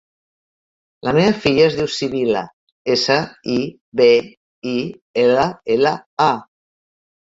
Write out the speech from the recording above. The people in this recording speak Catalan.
La meva filla es diu Sibil·la: essa, i, be, i, ela, ela, a.